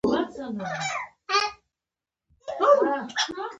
دلیل یې دا و چې عوامو ورته اړتیا درلوده.